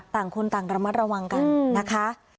ต่างคนต่างระมัดระวังกันนะคะ